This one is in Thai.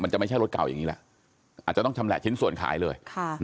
จะไม่ใช่รถเก่าอย่างนี้แหละอาจจะต้องชำแหละชิ้นส่วนขายเลย